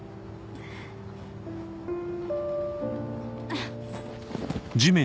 あっ。